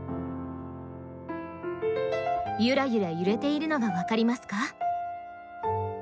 ゆらゆら揺れているのが分かりますか？